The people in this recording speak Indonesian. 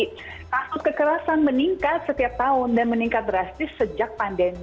kasus kekerasan meningkat setiap tahun dan meningkat drastis sejak pandemi